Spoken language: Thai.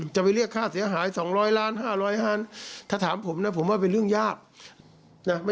เชิญป้ายหน้าเลยป้ายหน้าเลยไม่ต้องจอดป้ายนี้